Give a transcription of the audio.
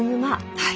はい。